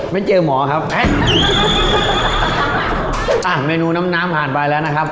ไม่เจอหมอครับอ่ะเมนูน้ำน้ำผ่านไปแล้วนะครับ